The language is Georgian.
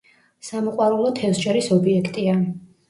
სამოყვარულო თევზჭერის ობიექტია.